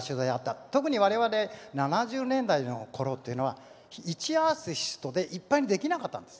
特に我々７０年代の頃というのは１アーティストでいっぱいにできなかったんです。